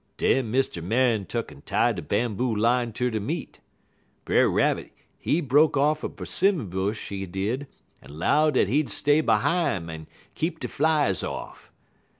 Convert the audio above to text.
"Den Mr. Man tuck'n tied de bamboo line ter de meat. Brer Rabbit he broke off a 'simmon bush, he did, en 'low dat he'd stay behime en keep de flies off.